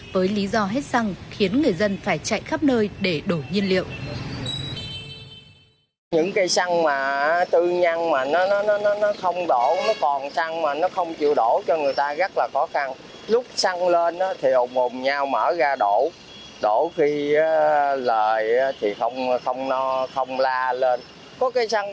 với lý do hết xăng khiến người dân phải chạy khắp nơi để đổ nhiên liệu